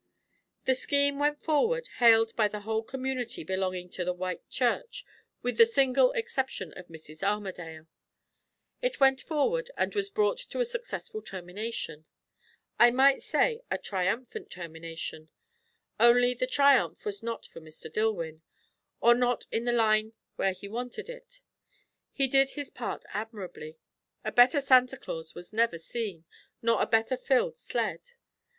The scheme went forward, hailed by the whole community belonging to the white church, with the single exception of Mrs. Armadale. It went forward and was brought to a successful termination. I might say, a triumphant termination; only the triumph was not for Mr. Dillwyn, or not in the line where he wanted it. He did his part admirably. A better Santa Claus was never seen, nor a better filled sled.